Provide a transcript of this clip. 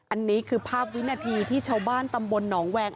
อันนี้คือภาพวินาทีที่ชาวบ้านตำบลหนองแวง